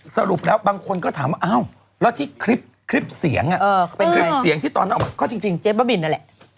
สรุปแล้วบางคนก็ถามว่าอ้าวแล้วที่คลิปเสียงคลิปเสียงที่ตอนนั้นออกมาก็จริงเจ๊บ้าบินนั่นแหละ